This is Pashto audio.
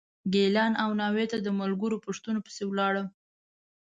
ګیلان او ناوې ته د ملګرو پوښتنو پسې ولاړم.